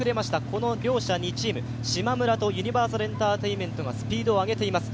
この両者２チーム、しまむらとユニバーサルエンターテインメントがスピードを上げています。